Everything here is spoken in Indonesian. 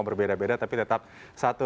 berbeda beda tapi tetap satu